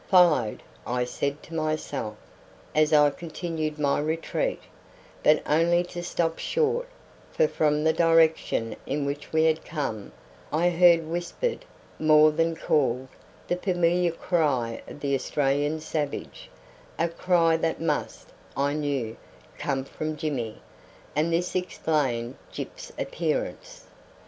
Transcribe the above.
"Followed!" I said to myself, as I continued my retreat, but only to stop short, for from the direction in which we had come I heard whispered, more than called, the familiar cry of the Australian savage, a cry that must, I knew, come from Jimmy, and this explained Gyp's appearance.